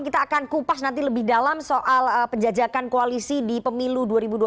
kita akan kupas nanti lebih dalam soal penjajakan koalisi di pemilu dua ribu dua puluh